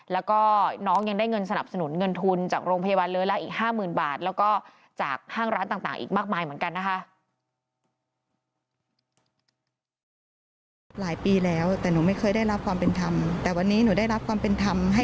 แล้วก็น้องยังได้เงินสนับสนุนเงินทุนจากโรงพยาบาลเลื้อละอีก๕๐๐๐๐บาท